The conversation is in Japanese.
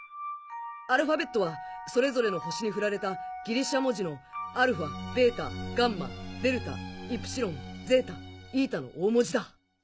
アルファベットはそれぞれの星にふられたギリシャ文字のアルファベータガンマデルタイプシロンゼータイータの大文字だ。